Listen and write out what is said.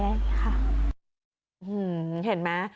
ฮือเห็นมั้ย